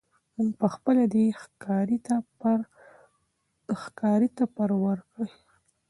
موږ پخپله دی ښکاري ته پر ورکړی